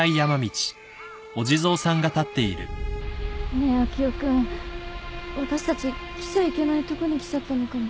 ねえアキオ君私たち来ちゃいけないとこに来ちゃったのかも。